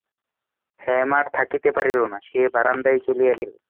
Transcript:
হেম আর থাকিতে পারিল না, সে বারান্দায় চলিয়া গেল।